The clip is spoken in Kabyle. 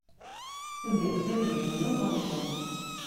Ur d-iqqim deg-wen uṭenṭun.